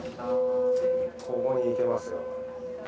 ここに行けますよ。